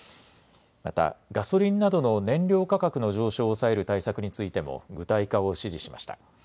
またガソリンなどの燃料価格の上昇を抑える対策についても具体化を支持しました。